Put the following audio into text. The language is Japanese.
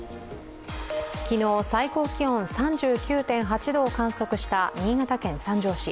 昨日、最高気温３９．８度を観測した新潟県三条市。